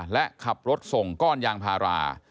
และขับรถส่งก้อนยางพารา